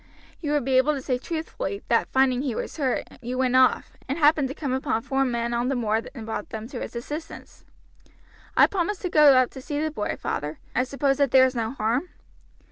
You would be able to say truthfully that finding that he was hurt, you went off, and happened to come upon four men on the moor and brought them to his assistance." "I promised to go up to see the boy, father. I suppose that there is no harm?"